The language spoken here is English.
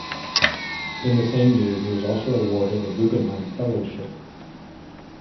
In the same year he was also awarded a Guggenheim Fellowship.